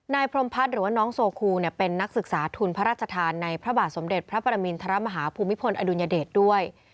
พรมพัฒน์หรือว่าน้องโซคูเป็นนักศึกษาทุนพระราชทานในพระบาทสมเด็จพระปรมินทรมาฮาภูมิพลอดุลยเดชด้วย